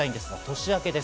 年明けです。